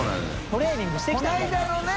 トレーニングしてきたのかな？